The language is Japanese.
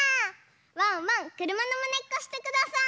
ワンワンくるまのまねっこしてください。